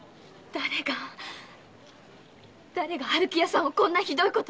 だれがだれが春喜屋さんをこんなひどいことに。